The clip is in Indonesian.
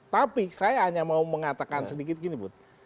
tapi saya hanya mau mengatakan sedikit gini but